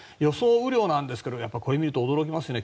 雨量なんですけれどもこれを見ると驚きますね。